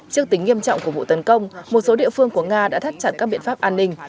trước tính nghiêm trọng của vụ tấn công một số địa phương của nga đã thắt chặt các biện pháp an ninh